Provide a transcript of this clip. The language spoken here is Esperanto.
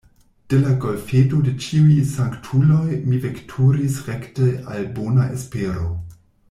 De la Golfeto de Ĉiuj Sanktuloj mi veturis rekte al Bona Espero.